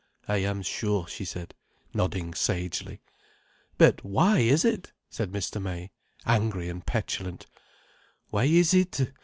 "I am sure," she said, nodding sagely. "But why is it?" said Mr. May, angry and petulant. "Why is it?